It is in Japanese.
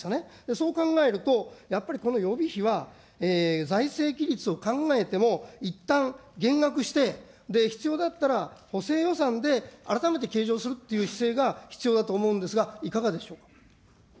そう考えると、やっぱりこの予備費は、財政を考えても、いったん減額して、必要だったら、補正予算で改めて計上するっていう姿勢が必要だと思うんですが、